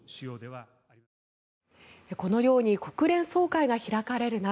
このように国連総会が開かれる中